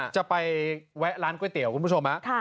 จะไปแวะร้านก๋วยเตี๋ยวคุณผู้ชม